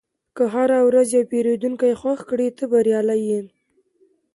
که هره ورځ یو پیرودونکی خوښ کړې، ته بریالی یې.